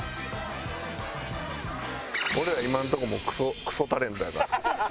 俺ら今のとこもうクソタレントやから。